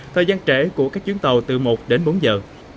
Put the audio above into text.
thời gian trễ của các chuyến tàu từ một đến bốn giờ